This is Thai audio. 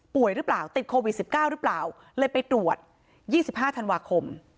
ป่วยหรือเปล่าติดโควิดสิบเก้าหรือเปล่าเลยไปตรวจยี่สิบห้าธันวาคม